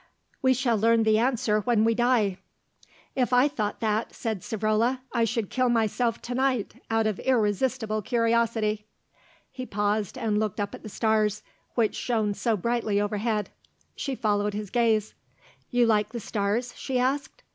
"We shall learn the answer when we die." "If I thought that," said Savrola, "I should kill myself to night out of irresistible curiosity." He paused, and looked up at the stars, which shone so brightly overhead. She followed his gaze. "You like the stars?" she asked.